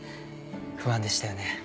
不安でしたよね。